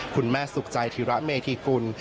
คุณแม่สุขใจธิระเมธีกุล